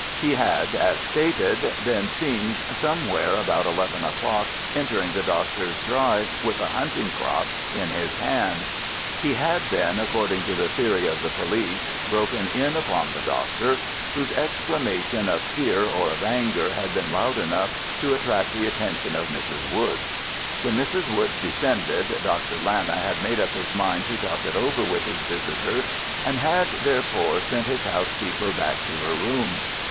He had, as stated, been seen somewhere about eleven o'clock entering the doctor's drive with a hunting crop in his hand. He had then, according to the theory of the police, broken in upon the doctor, whose exclamation of fear or of anger had been loud enough to attract the attention of Mrs. Woods. When Mrs. Woods descended, Dr. Lana had made up his mind to talk it over with his visitor, and had, therefore, sent his housekeeper back to her room.